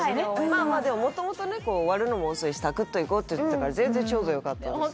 まあまあでも元々ねこう終わるのも遅いし「サクッと行こう」って言ってたから全然ちょうどよかったです